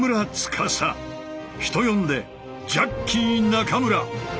人呼んでジャッキー中村！